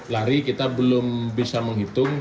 lari kita belum bisa menghitung